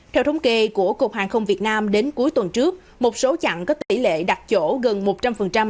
theo thống kê của cục hàng không việt nam đến cuối tuần trước một số chặng có tỷ lệ đặt chỗ gần một trăm linh